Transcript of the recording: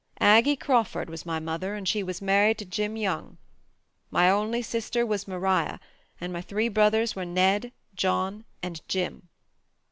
"Aggie Crawford was my mother and she was married to Jim Young. My only sister was Mariah, and my three brothers were Ned, John, and Jim.